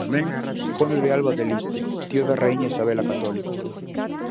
Conde de Alba de Liste, tío da Raíña Isabel a Católica.